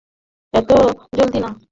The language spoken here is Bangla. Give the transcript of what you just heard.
এত জলদি না।